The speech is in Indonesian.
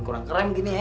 kurang keren gini ya